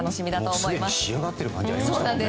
もうすでに仕上がっている感じがありますね。